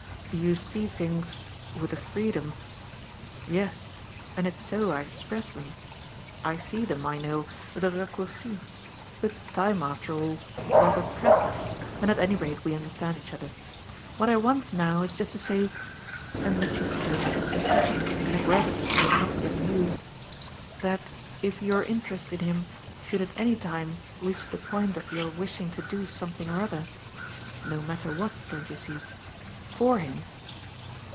"You see things with a freedom " "Yes, and it's so I express them. I see them, I know, with a raccourci; but time after all rather presses, and at any rate we understand each other. What I want now is just to say" and Mitchy spoke with a simplicity and a gravity he had not yet used "that if your interest in him should at any time reach the point of your wishing to do something or other (no matter what, don't you see?) FOR him